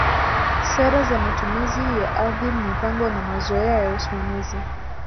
Sera za matumizi ya ardhi mipango na mazoea ya usimamizi